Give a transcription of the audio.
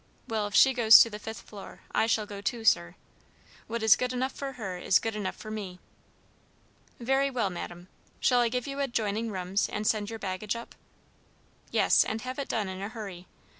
Well, if she goes to the fifth floor, I shall go too, sir. What is good enough for her is good enough for me." "Very well, madam. Shall I give you adjoining rooms, and send your baggage up?" "Yes, and have it done in a hurry.